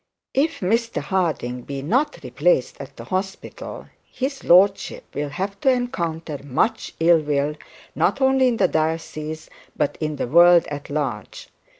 'If Mr Harding be not replaced at the hospital, his lordship will have to encounter much ill will, not only in the diocese, but in the world at large.